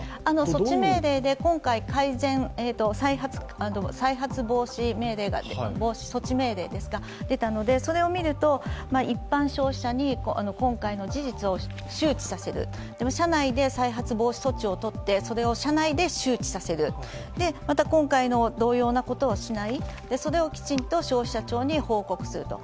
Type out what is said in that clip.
措置命令で今回、再発防止措置命令が出たのでそれを見ると、一般消費者に今回の事実を周知させる、社内で再発防止措置をとって、それを社内で周知させる、今回の同様なことをしないそれをきちんと消費者庁に報告すると。